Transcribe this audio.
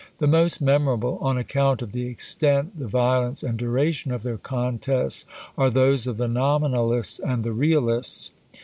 The most memorable, on account of the extent, the violence, and duration of their contests, are those of the NOMINALISTS and the REALISTS.